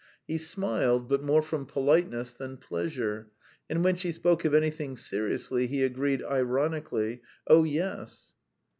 He smiled, but more from politeness than pleasure, and when she spoke of anything seriously, he agreed ironically: "Oh, yes."